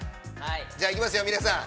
じゃあ、行きますよ、皆さん。